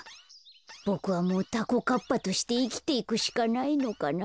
ボクはもうタコかっぱとしていきていくしかないのかな。